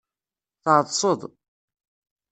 Tɛeḍseḍ.